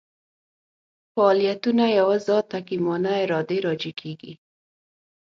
فاعلیتونه یوه ذات حکیمانه ارادې راجع کېږي.